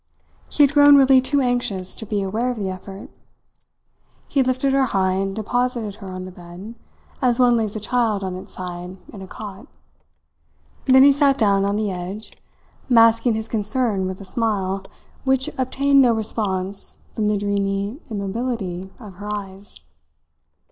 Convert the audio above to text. He had grown really too anxious to be aware of the effort. He lifted her high and deposited her on the bed, as one lays a child on its side in a cot. Then he sat down on the edge, masking his concern with a smile which obtained no response from the dreamy immobility of her eyes.